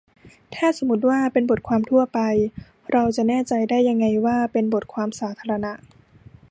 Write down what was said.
ถ้าสมมติว่าเป็นบทความทั่วไป เราจะแน่ใจได้ยังไงว่าเป็นบทความสาธารณะ